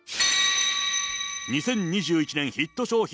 ２０２１年ヒット商品